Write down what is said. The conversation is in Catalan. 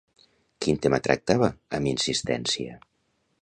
Quin tema tractava amb insistència?